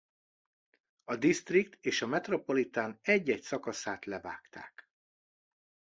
A District és a Metropolitan egy-egy szakaszát levágták.